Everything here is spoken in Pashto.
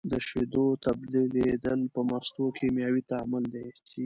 د شیدو تبدیلیدل په مستو کیمیاوي تعامل دی.